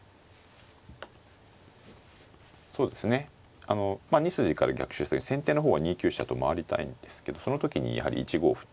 そうですねあのまあ２筋から逆襲する時先手の方は２九飛車と回りたいんですけどその時にやはり１五歩っていうね